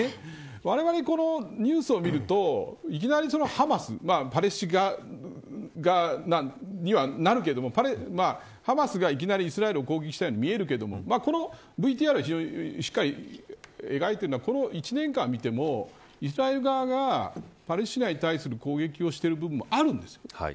われわれがこのニュースを見るとパレスチナ側にはなりますがハマスがいきなりイスラエルを攻撃したように見えますがこのＶＴＲがしっかり描いているのはこの１年間を見てもイスラエル側がパレスチナに対する攻撃をしてる部分もあります。